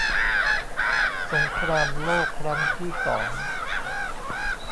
สงครามโลกครั้งที่สอง